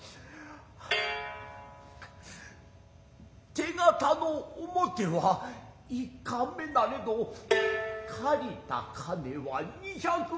手形の表は一貫目なれど借りた金は二百匁。